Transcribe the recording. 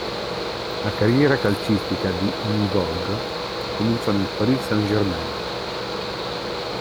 La carriera calcistica di N'gog cominciò nel Paris Saint-Germain.